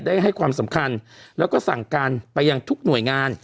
ให้ความสำคัญแล้วก็สั่งการไปยังทุกหน่วยงาน